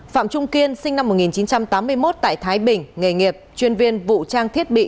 phạm trung kiên sinh năm một nghìn chín trăm tám mươi một tại thái bình nghề nghiệp chuyên viên vụ trang thiết bị